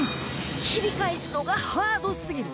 切り返すのがハードすぎる！